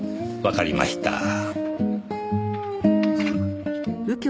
わかりました。